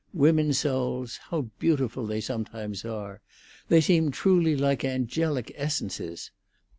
Women souls—how beautiful they sometimes are! They seem truly like angelic essences.